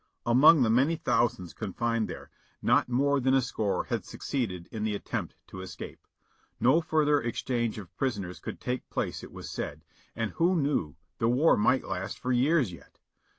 Among the many thousands confined there, not more than a score had succeeded in the attempt to escape. No further exchange of prisoners could take place it was said, and who knew — the war might last for years yet.